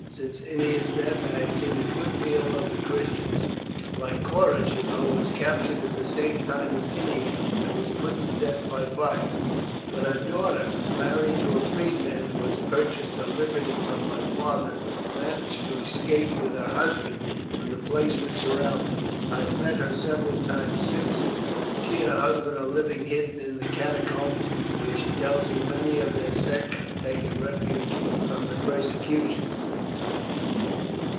Since Ennia's death I have seen a good deal of the Christians. Lycoris, you know, was captured at the same time as Ennia, and was put to death by fire; but her daughter, married to a freedman who had purchased her liberty from my father, managed to escape with her husband when the place was surrounded. I have met her several times since. She and her husband are living hidden in the catacombs, where she tells me many of their sect have taken refuge from the persecutions.